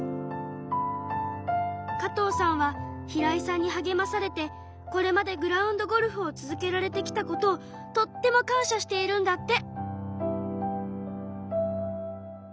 加藤さんは平位さんにはげまされてこれまでグラウンドゴルフを続けられてきたことをとっても感謝しているんだって。